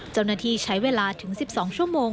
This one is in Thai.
เจ้าหน้าที่ใช้เวลาถึง๑๒ชั่วโมง